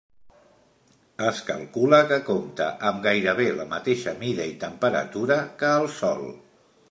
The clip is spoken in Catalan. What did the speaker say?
Es calcula que compta amb gairebé la mateixa mida i temperatura que el Sol.